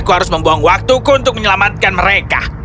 aku harus membuang waktuku untuk menyelamatkan mereka